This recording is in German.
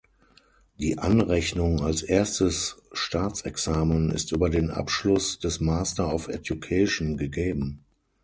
Die Anrechnung als erstes Staatsexamen ist über den Abschluss des Master of Education gegeben.